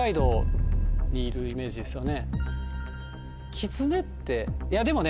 キツネっていやでもね。